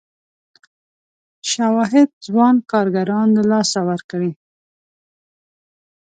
شواهد ځوان کارګران له لاسه ورکړي.